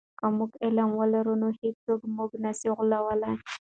که موږ علم ولرو نو هیڅوک موږ نه سی غولولی.